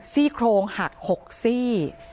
ซี่โครงหัก๖ซี่